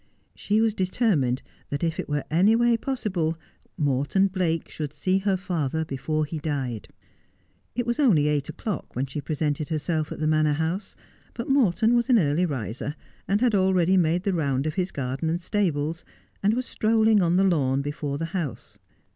She was determined that, if it • were any way possible, Morton Blake should see her father before he died. It was only eight o'clock when she presented herself at the Manor House ; but Morton was an early riser, and had already made the round of his garden and stables, and was strolling on the lawn before the house.